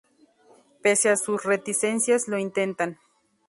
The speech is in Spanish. Pese a sus reticencias, lo intentan.